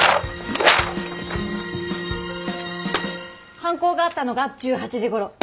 犯行があったのが１８時ごろ。